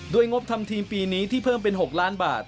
งบทำทีมปีนี้ที่เพิ่มเป็น๖ล้านบาท